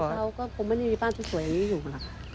ไม่ได้นอนเขาก็คงไม่ได้มีบ้านที่สวยอย่างนี้อยู่หรอก